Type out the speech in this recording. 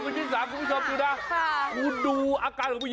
อันนี้คือของจริงเลย